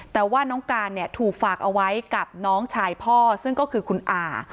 แต่ว่าน้องการเนี่ยถูกฝากเอาไว้กับน้องชายพ่อซึ่งก็คือคุณอา